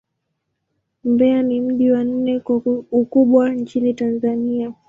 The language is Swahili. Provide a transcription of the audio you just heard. Mbeya ni mji wa nne kwa ukubwa nchini Tanzania.